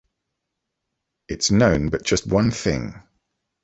It’s known but just one thing!